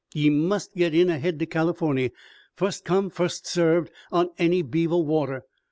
"Ye must git in ahead to Californy. Fust come fust served, on any beaver water.